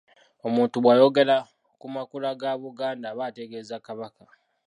Omuntu bw’ayogera ku makula ga Buganda aba ategeeza Kabaka.